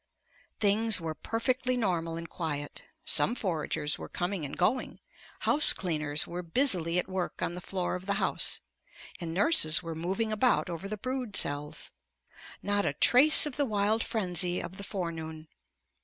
Things were perfectly normal and quiet. Some foragers were coming and going; house cleaners were busily at work on the floor of the house, and nurses were moving about over the brood cells. Not a trace of the wild frenzy of the forenoon.